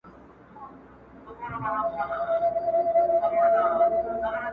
o موږه ستا د سترگو له پردو سره راوتـي يـو.